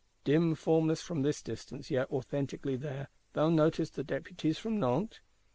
Dim, formless from this distance, yet authentically there, thou noticest the Deputies from Nantes?